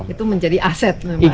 itu menjadi aset memang